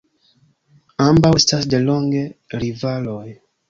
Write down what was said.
Ambaŭ estas delonge rivaloj.